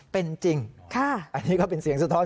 เป็นจริงอันนี้ก็เป็นเสียงสะท้อน